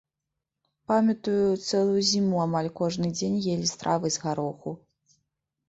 Памятаю, цэлую зіму амаль кожны дзень елі стравы з гароху.